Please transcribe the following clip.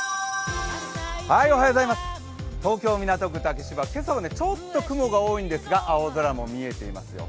東京・港区竹芝、今朝はちょっと雲が多いんですが青空も見えていますよ。